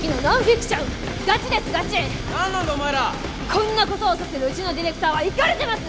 こんな事をさせるうちのディレクターはイカれてます！